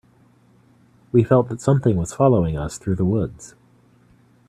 We felt that something was following us through the woods.